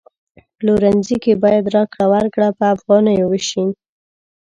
پلورنځي کی باید راکړه ورکړه په افغانیو وشي